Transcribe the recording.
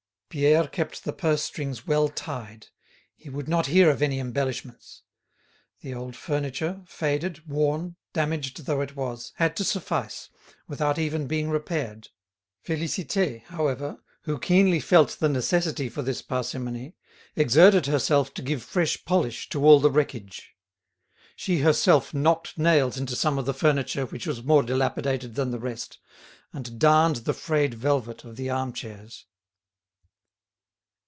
Pierre kept the purse strings well tied; he would not hear of any embellishments. The old furniture, faded, worn, damaged though it was, had to suffice, without even being repaired. Félicité, however, who keenly felt the necessity for this parsimony, exerted herself to give fresh polish to all the wreckage; she herself knocked nails into some of the furniture which was more dilapidated than the rest, and darned the frayed velvet of the arm chairs.